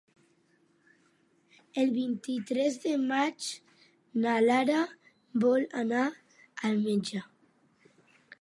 El vint-i-tres de maig na Lara vol anar al metge.